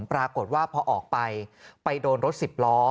ปรากฏว่าพอออกไปไปโดนรถสิบล้อ